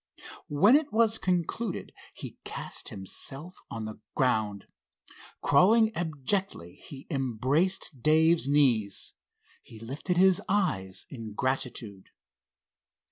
When it was concluded he cast himself on the ground. Crawling abjectly he embraced Dave's knees. He lifted his eyes in gratitude.